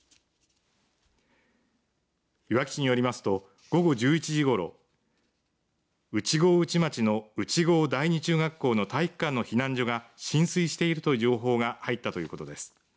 いわき市によりますと午後１１時ごろ内郷内町の内郷第二中学校の体育館の避難所が浸水しているという情報が入ったということです。